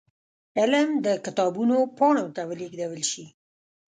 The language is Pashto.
علم د کتابونو پاڼو ته ولېږدول شي.